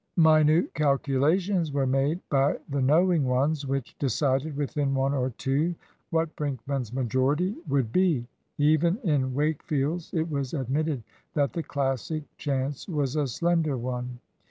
Minute calculations were made by the knowing ones, which decided within one or two what Brinkman's majority would be. Even in Wakefield's it was admitted that the Classic chance was a slender one.